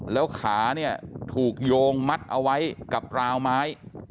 แล้วขาเนี่ยถูกโยงมัดเอาไว้กับราวไม้